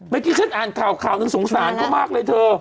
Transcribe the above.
เมื่อกี้ฉันอ่านแข่วนึงสงสารก็มากเลยเถอะ